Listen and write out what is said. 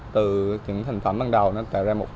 từ những thành phẩm ban đầu nó có những niềm ưu việt hơn nhiều